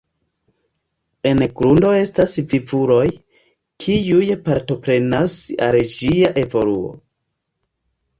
En grundo estas vivuloj, kiuj partoprenas al ĝia evoluo.